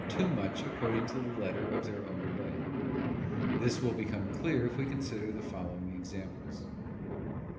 too much according to the letter in their own way. This will become clear if we consider the following examples.